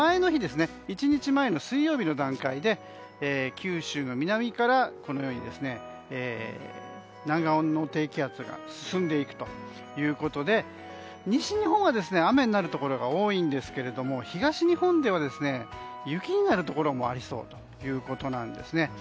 １日前の水曜日の段階で九州の南からこのように南岸低気圧が進んでいくということで西日本は雨になるところが多いんですけども東日本では雪になるところもありそうということです。